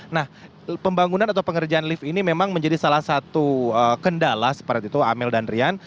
nah pembangunan atau pengerjaan lift ini memang menjadi salah satu kendala seperti itu amel dan rian